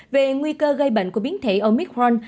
về nguy cơ gây bệnh của biến thể omicron